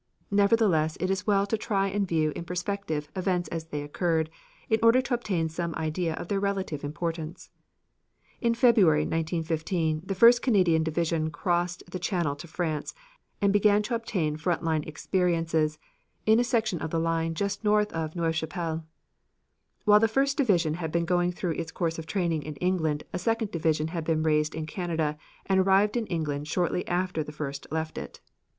Nevertheless it is well to try and view in perspective events as they occurred, in order to obtain some idea of their relative importance. In February, 1915, the first Canadian division crossed the Channel to France, and began to obtain front line experiences in a section of the line just north of Neuve Chapelle. While the first division had been going through its course of training in England a second division had been raised in Canada and arrived in England shortly after the first left it.